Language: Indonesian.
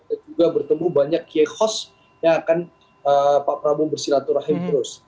dan juga bertemu banyak kiai host yang akan pak prabu bersilaturahim terus